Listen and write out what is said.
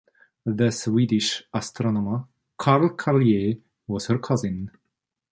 The Swedish astronomer Carl Charlier was her cousin.